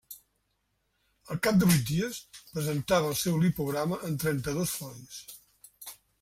Al cap de vuit dies, presentava el seu lipograma en trenta-dos folis.